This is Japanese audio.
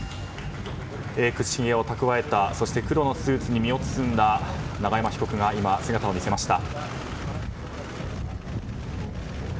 口ひげをたくわえ黒のスーツに身を包んだ永山被告が今、姿を見せました。